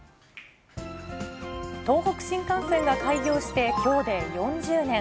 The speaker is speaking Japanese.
東北新幹線が開業して、きょうで４０年。